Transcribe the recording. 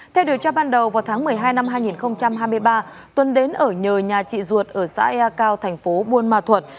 theo điều tra ban đầu vào tháng một mươi hai năm hai nghìn hai mươi ba tuấn đến ở nhờ nhà chị ruột ở xã ya cao thành phố buôn ma thuật